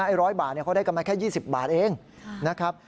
ไอ๑๐๐บาทเขาได้กันมาแค่๒๐บาทเองนะครับ